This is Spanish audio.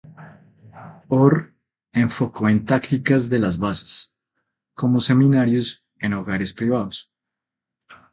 Orr enfocó en tácticas de las bases, como seminarios en hogares privados.